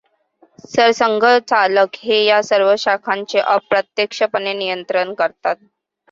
सरसंघचालक हे या सर्व शाखांचे अप्रत्यक्षपणे नियंत्रण करतात.